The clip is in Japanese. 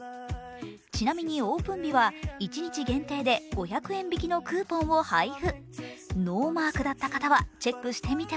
ちなみにオープン日は一日限定で５００円引きのクーポンを配布。